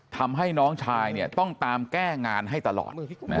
ทำให้น้องชายต้องตามแก้งานให้ตลอด